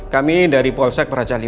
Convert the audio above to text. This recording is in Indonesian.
kamu seperti di lima jam ini